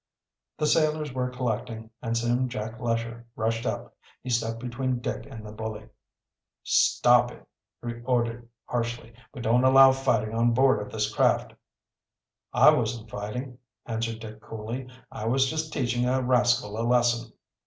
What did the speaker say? The sailors were collecting, and soon Jack Lesher rushed up. He stepped between Dick and the bully. "Stop it!" he ordered harshly. "We don't allow fighting on board of this craft." "I wasn't fighting," answered Dick coolly. "I was just teaching a rascal a lesson."